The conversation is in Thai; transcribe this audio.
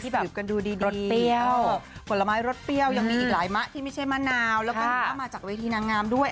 แบบกันดูดีรสเปรี้ยวผลไม้รสเปรี้ยวยังมีอีกหลายมะที่ไม่ใช่มะนาวแล้วก็มาจากเวทีนางงามด้วย